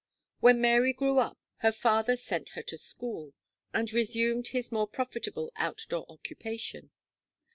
When Mary grew up, her father sent her to school, and resumed his more profitable out door occupation.